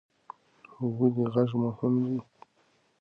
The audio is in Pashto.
ولې غږ مهم دی؟